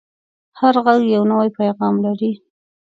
هر غږ یو نوی پیغام لري